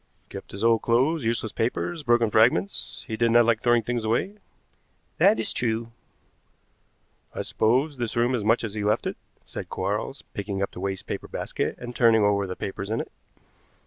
"Kept his old clothes, useless papers, broken fragments. He did not like throwing things away." "That is true." "I suppose this room is much as he left it," said Quarles, picking up the waste paper basket and turning over the papers in it.